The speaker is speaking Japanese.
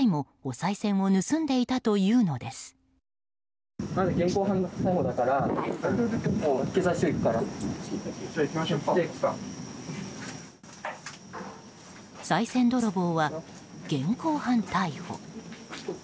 さい銭泥棒は現行犯逮捕。